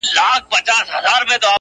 دومره حيا مه كوه مړ به مي كړې.